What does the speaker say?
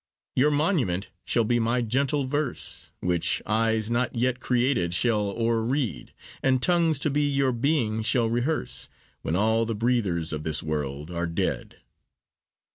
Your monument shall be my gentle verse, Which eyes not yet created shall o'er read, And tongues to be your being shall rehearse, When all the breathers of this world are dead.